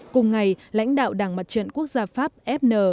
cùng ngày lãnh đạo đảng mặt trận quốc gia pháp fn